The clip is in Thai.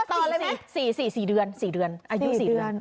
อ๋อตอนไหนมั้ยอ่า๔เดือน๔เดือนอายุ๔เดือน